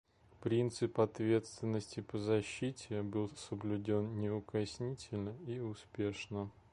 Принцип «ответственности по защите» был соблюден неукоснительно и успешно.